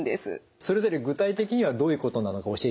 それぞれ具体的にはどういうことなのか教えていただけますか？